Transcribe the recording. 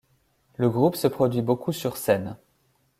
Le groupe se produit beaucoup sur scène.